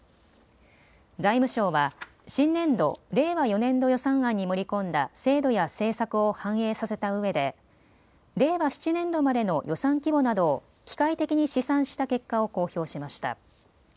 財務省は新年度、令和４年度予算案に盛り込んだ制度や政策を反映させたうえで令和７年度までの予算規模などを機械的に試算した結果を公表しました。